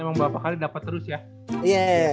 emang berapa kali dapat terus ya